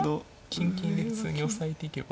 金金で普通に押さえていけば。